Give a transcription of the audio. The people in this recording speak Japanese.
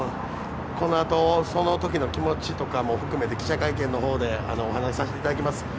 このあと、そのときの気持ちとかも含めて記者会見の方でお話しさせていただきます。